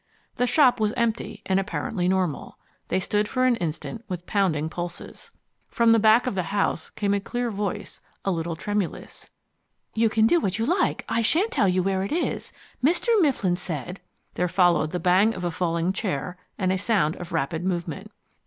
The shop was empty, and apparently normal. They stood for an instant with pounding pulses. From the back of the house came a clear voice, a little tremulous: "You can do what you like, I shan't tell you where it is. Mr. Mifflin said " There followed the bang of a falling chair, and a sound of rapid movement.